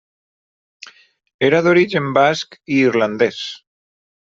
Era d'origen basc i irlandès.